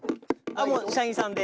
あっもう社員さんで。